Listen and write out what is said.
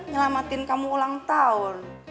nyelamatin kamu ulang tahun